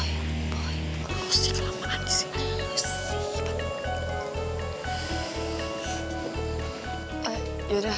waduh bahaya nih kalo boy tau adriana itu mama tirinya si reva